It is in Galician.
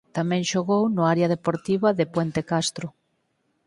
Tamén xogou no Área Deportiva de Puente Castro.